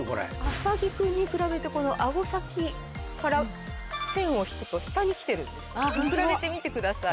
麻木君に比べてこの顎先から線を引くと下に来てるんです比べてみてください。